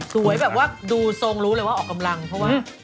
แบบว่าดูทรงรู้เลยว่าออกกำลังเพราะว่า